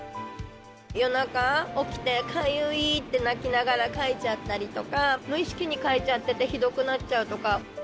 夜中起きて、かゆいって泣きながらかいちゃったりとか、無意識にかいちゃっててひどくなっちゃうとか。